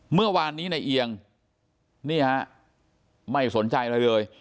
เมื่อวานนี้ในเอียงนี่ฮะไม่สนใจอะไรเลย